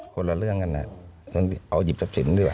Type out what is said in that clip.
คนละเรื่องกันนะเอาหยิบจับเสร็จด้วย